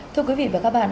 thưa quý vị và các bạn